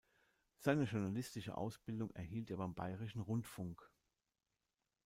Seine journalistische Ausbildung erhielt er beim Bayerischen Rundfunk.